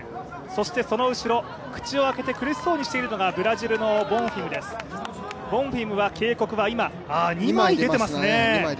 そしてその後ろ、口を開けて苦しそうにしているのがブラジルのボンフィムです、ボンフィムは警告は２枚出てますね。